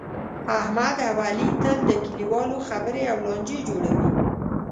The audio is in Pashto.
احمد اوعلي تل د کلیوالو خبرې او لانجې جوړوي.